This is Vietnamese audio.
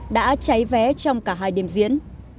đã cháy vé trong cả hai đêm diễn